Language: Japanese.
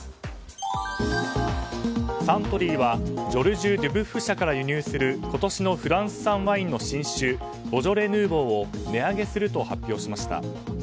サントリーはジョルジュデュブッフ社から輸入する今年のフランス産ワインの新酒ボジョレ・ヌーボーを値上げすると発表しました。